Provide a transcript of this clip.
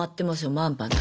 まんまと